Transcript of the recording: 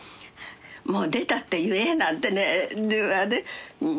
「もう出たって言え」なんてね電話で。